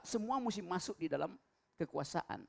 semua mesti masuk di dalam kekuasaan